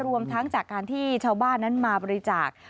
รวมทั้งจากการที่ชาวบ้านนั้นมาบริจาค